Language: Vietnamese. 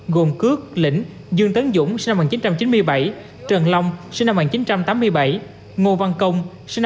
gồm cước lĩnh dương tấn dũng trần long ngô văn công